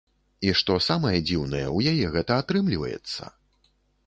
І што самае дзіўнае, у яе гэта атрымліваецца!